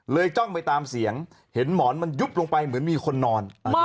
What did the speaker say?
จ้องไปตามเสียงเห็นหมอนมันยุบลงไปเหมือนมีคนนอน